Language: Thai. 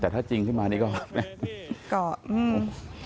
แต่ถ้าจริงขึ้นมานี่ก็ไม่เป็นไรพี่